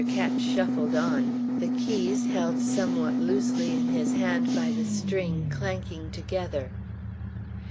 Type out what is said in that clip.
Ketch shuffled on; the keys, held somewhat loosely in his hand by the string, clanking together.